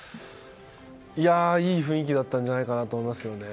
いい雰囲気だったんじゃないかと思いますね。